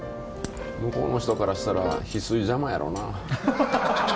向こうの人からしたらヒスイ邪魔やろな。